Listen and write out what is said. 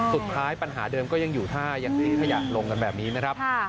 สุดท้ายปัญหาเดิมก็ยังอยู่ถ้ายังทิ้งขยะลงกันแบบนี้นะครับ